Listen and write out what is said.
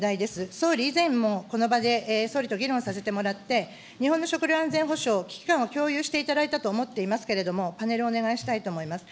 総理、以前もこの場で、総理と議論させてもらって、日本の食料安全保障、危機感を共有していただいたと思っていますけれども、パネルお願いしたいと思います。